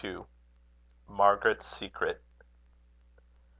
MARGARET'S SECRET.